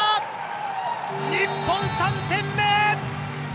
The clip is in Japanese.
日本、３点目！